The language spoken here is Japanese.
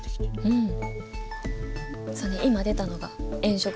うん。